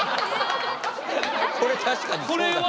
これ確かにそうだね。